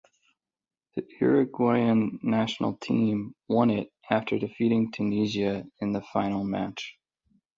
The Uruguayan national team won it after defeating Tunisia in the final match.